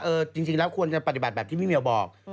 จริงแล้วควรจะปฏิบัติแบบที่พี่เมียวบอก